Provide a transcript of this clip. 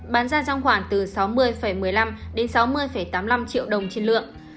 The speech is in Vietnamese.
bán ra trong khoảng từ sáu mươi một mươi năm đến sáu mươi tám mươi năm triệu đồng trên lượng